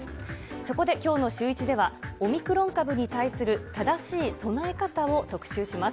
そこできょうのシューイチでは、オミクロン株に対する正しい備え方を特集します。